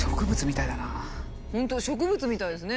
本当植物みたいですね。